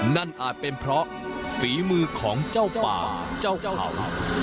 อาจเป็นเพราะฝีมือของเจ้าป่าเจ้าเขา